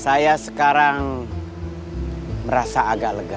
saya sekarang merasa agak lega